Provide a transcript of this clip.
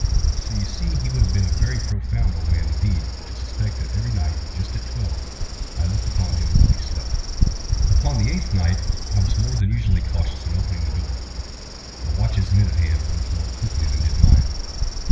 So you see he would have been a very profound old man, indeed, to suspect that every night, just at twelve, I looked in upon him while he slept. Upon the eighth night I was more than usually cautious in opening the door. A watch's minute hand moves more quickly than did mine.